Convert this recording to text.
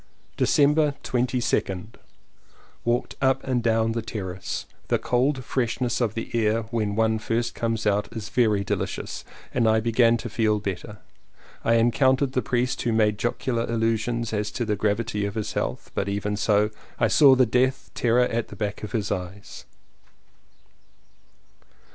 December 22nd. Walked up and down the terrace. The cold freshness of the air when one first comes out is very delicious, and I begin to feel better. I encountered the priest who made jocular allusions as to the gravity of his health, but even so, I saw the death terror at the back of his eyes.